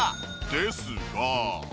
ですが。